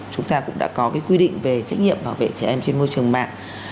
chúng ta cũng đã có quy định về trách nhiệm bảo vệ trẻ em trên môi trường mạng